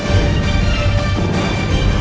kamu harus mempelajari lembaran ini